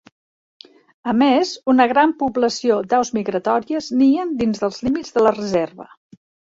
A més, una gran població d'aus migratòries nien dins dels límits de la reserva.